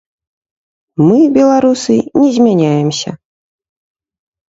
Мы, беларусы, не змяняемся.